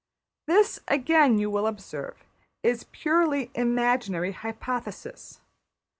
This, again, you will observe, is purely imaginary hypothesis.